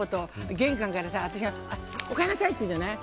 玄関から私がお帰りなさいって言うじゃない。